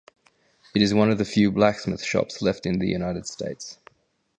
It is one of the few blacksmith shops left in the United States.